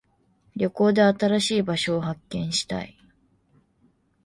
旅行で新しい場所を発見したい。